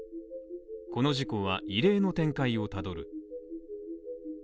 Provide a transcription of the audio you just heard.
この事故は、異例の展開をたどる。